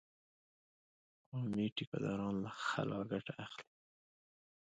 قومي ټيکه داران له خلا ګټه اخلي.